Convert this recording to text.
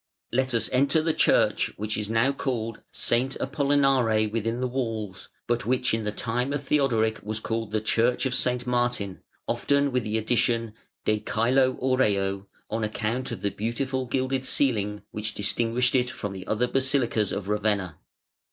Let us enter the church which is now called "S. Apollinare within the Walls", but which in the time of Theodoric was called the Church of S. Martin, often with the addition "de Cælo Aureo", on account of the beautiful gilded ceiling which distinguished it from the other basilicas of Ravenna.